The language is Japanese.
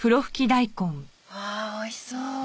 わあ美味しそう。